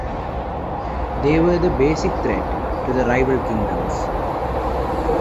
They were the basic threat to the rival kingdoms.